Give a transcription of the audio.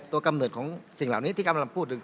กำเนิดของสิ่งเหล่านี้ที่กำลังพูดถึง